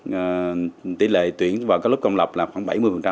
tổng số học sinh được tuyển vào lớp công lập là khoảng bảy mươi